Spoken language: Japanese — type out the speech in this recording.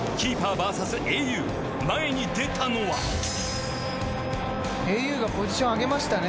ＶＳａｕ前に出たのはａｕがポジション上げましたね